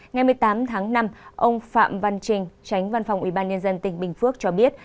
ngày một mươi tám tháng năm ông phạm văn trinh tránh văn phòng ủy ban nhân dân tỉnh bình phước cho biết